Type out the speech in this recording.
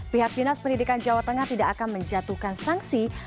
pihak dinas pendidikan jawa tengah tidak akan menjatuhkan sanksi